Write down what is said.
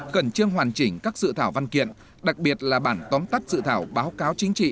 cần chương hoàn chỉnh các dự thảo văn kiện đặc biệt là bản tóm tắt dự thảo báo cáo chính trị